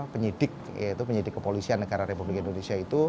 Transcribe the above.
penyidik yaitu penyidik kepolisian negara republik indonesia itu